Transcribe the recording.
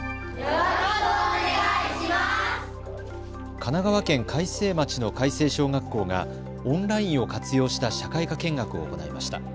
神奈川県開成町の開成小学校がオンラインを活用した社会科見学を行いました。